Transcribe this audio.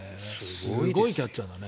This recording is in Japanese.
すごいキャッチャーだね。